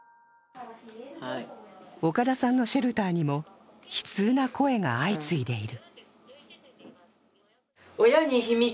岡田さんのシェルターにも悲痛な声が相次いでいる。